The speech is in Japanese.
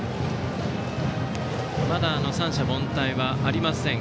まだ三者凡退はありません